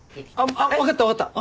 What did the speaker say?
分かった分かった。